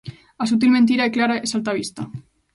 A sutil mentira é clara e salta á vista.